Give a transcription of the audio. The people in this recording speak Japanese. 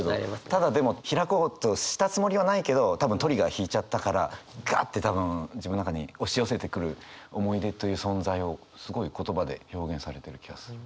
ただでも開こうとしたつもりはないけど多分トリガー引いちゃったからガッて多分自分の中に押し寄せてくる思い出という存在をすごい言葉で表現されてる気がする。